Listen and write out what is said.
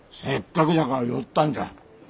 せっかくじゃから寄ったんじゃ。